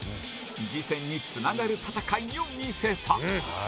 次戦につながる戦いを見せた。